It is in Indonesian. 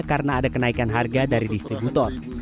karena ada kenaikan harga dari distributor